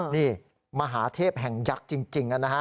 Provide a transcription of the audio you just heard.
นี่มหาเทพแห่งยักษ์จริงนะฮะ